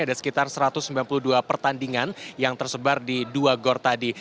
ada sekitar satu ratus sembilan puluh dua pertandingan yang tersebar di dua gor tadi